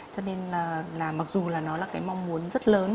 cho nên là mặc dù là nó là cái mong muốn rất lớn